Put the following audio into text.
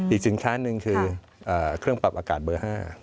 สินค้าหนึ่งคือเครื่องปรับอากาศเบอร์๕